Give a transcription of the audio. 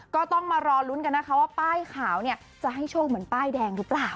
ก็ต้องมารอลุ้นกันนะคะว่าป้ายขาวเนี่ยจะให้โชคเหมือนป้ายแดงหรือเปล่า